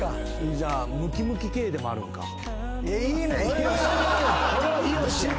じゃあムキムキＫでもあるんか。いいねん博。